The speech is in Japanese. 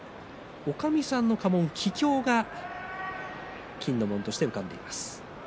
おかみさんの家紋、ききょうが金の紋として浮かんでいます。